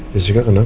ya sih kak kenapa